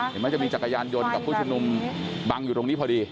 จะมีจักรยานยนต์กับผู้ชุมนุมบังอยู่ตรงนี้พอดี